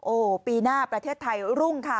โอ้โหปีหน้าประเทศไทยรุ่งค่ะ